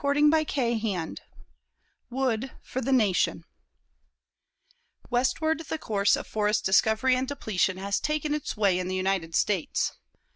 CHAPTER XVIII WOOD FOR THE NATION Westward the course of forest discovery and depletion has taken its way in the United States.